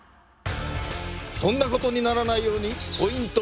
そんなことにならないようにポイント